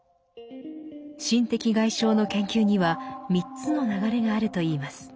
「心的外傷」の研究には３つの流れがあるといいます。